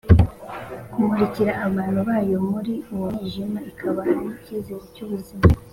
kumurikira abantu bayo muri uwo mwijima ikabaha n’icyizere cy’ubuzima.